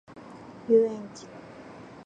遊園地